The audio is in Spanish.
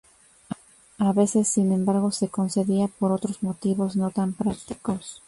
A veces, sin embargo, se concedía por otros motivos no tan prácticos.